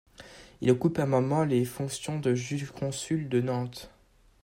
Il occupe un moment les fonctions de juge-consul de Nantes.